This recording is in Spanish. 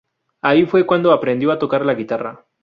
Ahí fue cuando aprendió a tocar la guitarra.